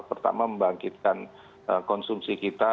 pertama membangkitkan konsumsi kita